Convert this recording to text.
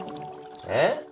えっ？